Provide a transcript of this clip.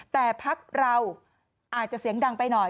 แต่พักเราอาจจะเสียงดังไปหน่อย